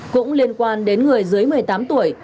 cũng liên quan đến người dưới một mươi tám tuổi